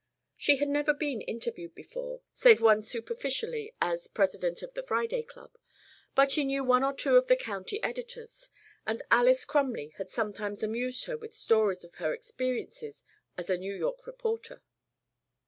She had never been interviewed before, save once superficially as President of the Friday Club, but she knew one or two of the county editors, and Alys Crumley had sometimes amused her with stories of her experiences as a New York reporter.